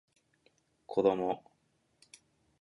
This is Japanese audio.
子供